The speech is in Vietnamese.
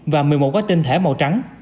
và một mươi một gói tinh thể màu trắng